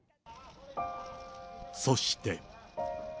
そして。